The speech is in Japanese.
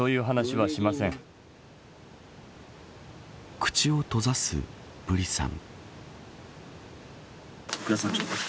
口を閉ざすブリさん。